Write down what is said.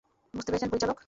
বুঝতে পেরেছেন, পরিচালক?